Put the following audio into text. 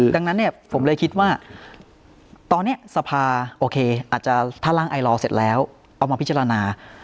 ดังนั้นเนี่ยผมเลยคิดว่าตอนนี้สภาโอเคอาจจะถ้าร่างไอลอเสร็จแล้วเอามาพิจารณา